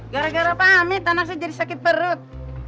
gara gara apa amit anak saya jadi sakit perut